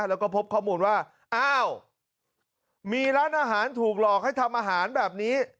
แล้วก็พบข้อมูลว่าอ้าวมีร้านอาหารถูกหลอกให้ทำอาหารแบบนี้